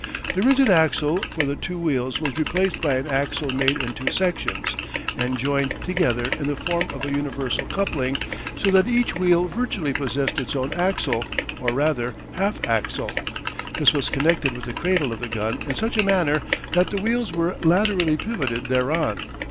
The rigid axle for the two wheels was replaced by an axle made in two sections, and joined together in the form of a universal coupling, so that each wheel virtually possessed its own axle, or rather half axle. This was connected with the cradle of the gun in such a manner that the wheels were laterally pivoted thereon.